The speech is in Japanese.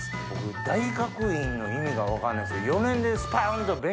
僕大学院の意味が分かんないんですけど。